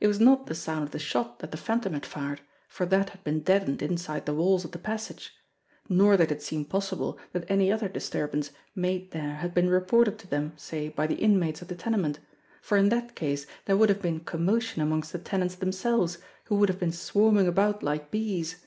It was not the sound of the shot that the Phantom had fired, for that had been deadened inside the walls of the passage ; nor did it seem possible that any other disturbance made there had been reported to them, say, by the inmates of the tenement, for in that case there would have been com motion amongst the tenants themselves, who would have been swarming about like bees.